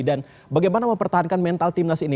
dan bagaimana mempertahankan mental tim nas ini